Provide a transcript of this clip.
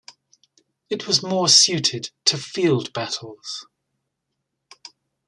It was more suited to field battles.